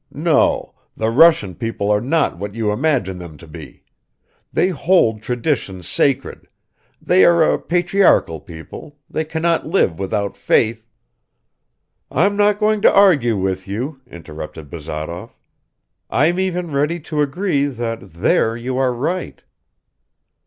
No, the Russian people are not what you imagine them to be. They hold tradition sacred, they are a patriarchal people, they cannot live without faith ..." "I'm not going to argue with you," interrupted Bazarov. "I'm even ready to agree that there you are right."